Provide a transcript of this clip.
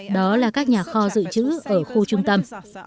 đó là các nhà kho dự trữ ở khu trung tâm